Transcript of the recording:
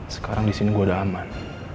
sekarang disini gue udah aman